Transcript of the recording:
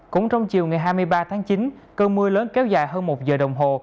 cũng trong chiều ngày hai mươi ba tháng chín cơn mưa lớn kéo dài hơn một giờ đồng hồ